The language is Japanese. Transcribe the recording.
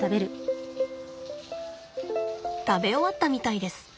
食べ終わったみたいです。